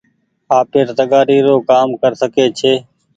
آپير تگآري رو ڪآم ڪر سکي ڇي۔